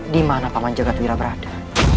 di mana paman jagadwira berada